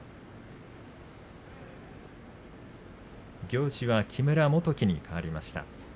行司は木村元基にかわりました。